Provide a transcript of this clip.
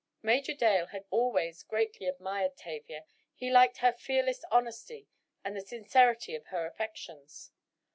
Major Dale had always greatly admired Tavia; he liked her fearless honesty and the sincerity of her affections.